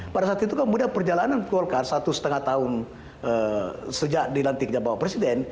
pada saat itu kemudian perjalanan golkar satu setengah tahun sejak dilantiknya bapak presiden